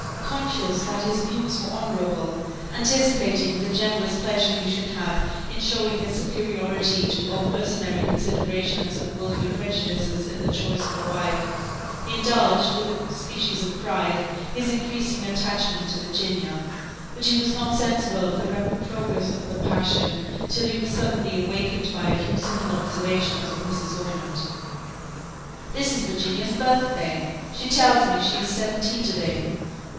Conscious that his views were honourable, anticipating the generous pleasure he should have in showing his superiority to all mercenary considerations and worldly prejudices, in the choice of a wife, he indulged, with a species of pride, his increasing attachment to Virginia; but he was not sensible of the rapid progress of the passion, till he was suddenly awakened by a few simple observations of Mrs. Ormond. "This is Virginia's birthday she tells me she is seventeen to day."